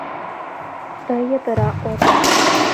— Тый йытыра отыл...